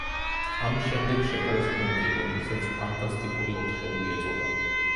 ამის შემდეგ შეკრეს გუნდი, რომელსაც „ფანტასტიკური ოთხეული“ ეწოდა.